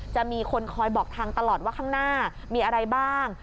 จะมีคนคอยบอกทางตลอดว่าข้างหน้ามีอะไรบ้าง